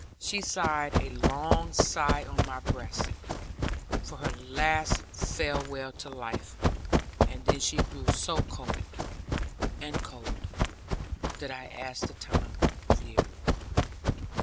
She sighed a long sigh on my breast, for her last farewell to life, and then she grew so cold, and cold, that I asked the time of year.